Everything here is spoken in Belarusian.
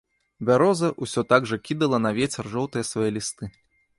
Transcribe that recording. Бяроза ўсё так жа кідала на вецер жоўтыя свае лісты.